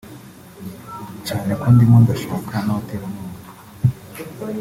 cyane ko ndimo ndashaka n’abaterankunga